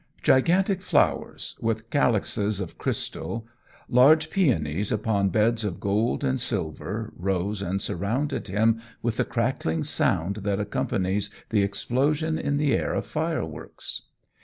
Gigantic flowers, with chalices of crystal; large peonies upon beds of gold and silver, rose and surrounded him with the crackling sound that accompanies the explosion in the air of fireworks.